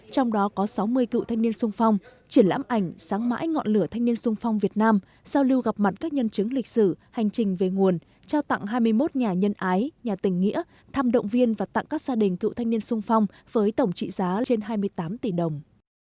trong đó có sáu mươi cựu thanh niên sung phong triển lãm ảnh sáng mãi ngọn lửa thanh niên sung phong việt nam giao lưu gặp mặt các nhân chứng lịch sử hành trình về nguồn trao tặng hai mươi một nhà nhân ái nhà tình nghĩa thăm động viên và tặng các gia đình cựu thanh niên sung phong với tổng trị giá trên hai mươi tám tỷ đồng